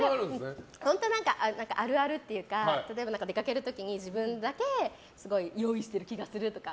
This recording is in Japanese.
あるあるっていうか例えば出かける時に自分だけすごい用意してる気がするとか。